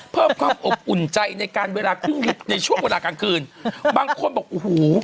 เพิ่มความอุ๋นใจในเวลาขึ้นลิฟต์ในช่วงเวลากลางคืนบางคนบอกอุฮู